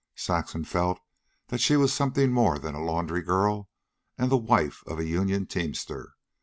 Saxon felt that she was something more than a laundry girl and the wife of a union teamster.